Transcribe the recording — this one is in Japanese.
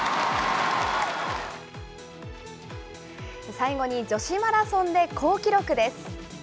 最後に女子マラソンで好記録です。